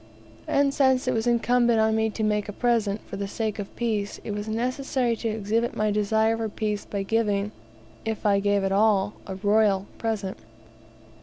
And since it was incumbent on me to make a present, for the sake of peace, it was necessary to exhibit my desire for peace by giving if I gave at all a royal present.